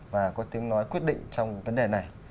và có tiếng nói quyết định trong vấn đề này